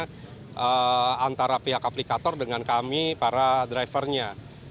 karena antara pihak aplikator dengan kami para drivernya